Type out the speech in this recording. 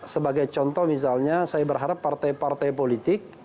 sebagai contoh misalnya saya berharap partai partai politik